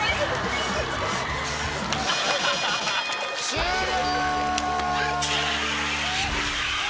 終了！